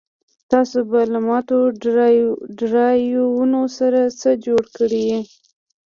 تاسو به له ماتو ډرایوونو سره څه جوړ کړئ